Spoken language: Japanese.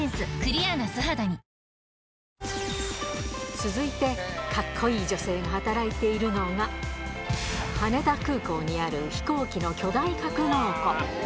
続いて、かっこいい女性が働いているのが、羽田空港にある飛行機の巨大格納庫。